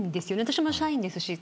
私も社員ですし。